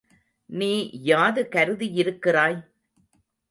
நீ யாது கருதியிருக்கிறாய்?